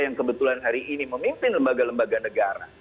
yang kebetulan hari ini memimpin lembaga lembaga negara